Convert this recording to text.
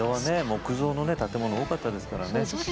木造の建物多かったですからね。